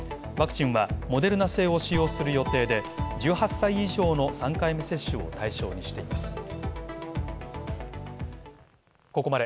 ワクチンはモデルナ製を使用する予定で１８歳以上の３回目接種を対象にしています。